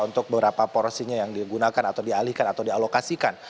untuk beberapa porsinya yang digunakan atau dialihkan atau dialokasikan